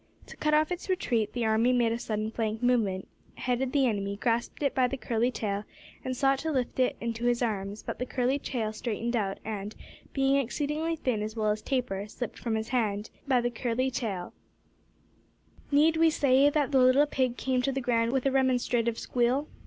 To cut off its retreat, the army made a sudden flank movement, headed the enemy, grasped it by the curly tail, and sought to lift it into his arms, but the curly tail straightened out, and, being exceedingly thin as well as taper, slipped from his hand. Need we say that the little pig came to the ground with a remonstrative squeal?